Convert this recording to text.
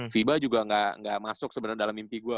viba juga nggak masuk sebenernya dalam mimpi gue